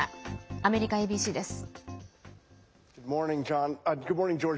アメリカＡＢＣです。